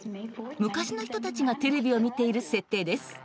昔の人たちがテレビを見ている設定です。